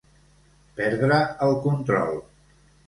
Perdre el control.